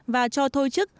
và cho thôi chức